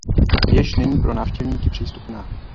Věž není pro návštěvníky přístupná.